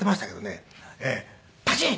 パチーン！